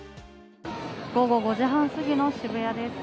午後５時半すぎの渋谷です。